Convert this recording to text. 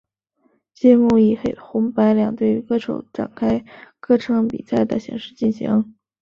节目以红白两队歌手展开歌唱比赛的形式进行。